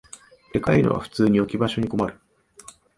でかいのは普通に置き場所に困る